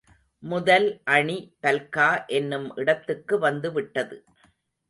முதல் அணி பல்கா என்னும் இடத்துக்கு வந்து விட்டது.